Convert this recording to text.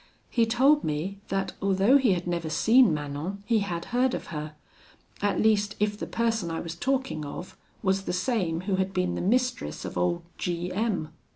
He told me, that although he had never seen Manon, he had heard of her; at least, if the person I was talking of was the same who had been the mistress of old G M